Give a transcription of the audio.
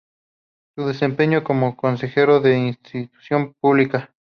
Se desempeñó como consejero de Instrucción pública.